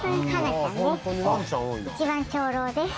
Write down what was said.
一番長老です。